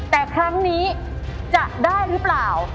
แต่ครั้งนี้จะได้หรือเปล่า